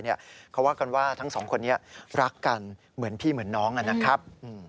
เขาว่ากันว่าทั้งสองคนนี้รักกันเหมือนพี่เหมือนน้องนะครับ